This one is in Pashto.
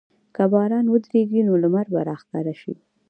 که باران ودریږي، نو لمر به راښکاره شي.